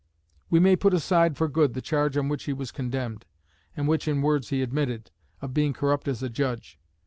We may put aside for good the charge on which he was condemned, and which in words he admitted of being corrupt as a judge.